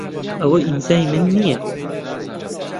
ئەوە ئیمزای من نییە.